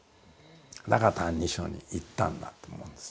だから「歎異抄」にいったんだと思うんです。